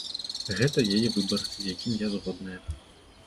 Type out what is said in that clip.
Гэта яе выбар, з якім я згодная.